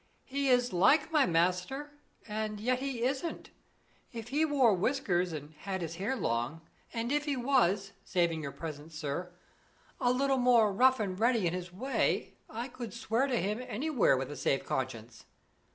"He is like my master, and yet he isn't. If he wore whiskers and had his hair long, and if he was, saving your presence, sir, a little more rough and ready in his way, I could swear to him anywhere with a safe conscience."